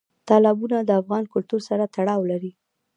تالابونه د افغان کلتور سره تړاو لري.